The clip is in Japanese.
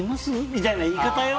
みたいな言い方よ？